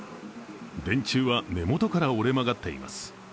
電柱は根元から折れ曲がっています。